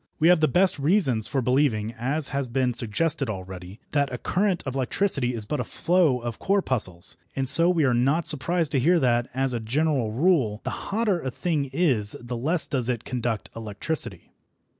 We have the best reasons for believing, as has been suggested already, that a current of electricity is but a flow of corpuscles, and so we are not surprised to hear that, as a general rule, the hotter a thing is the less does it conduct electricity.